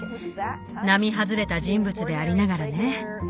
並外れた人物でありながらね。